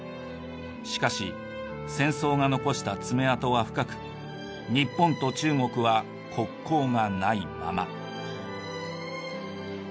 しかし戦争が残した爪痕は深く日本と中国は国交がないまま。